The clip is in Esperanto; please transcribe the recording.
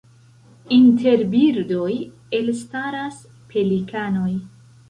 Inter birdoj elstaras pelikanoj.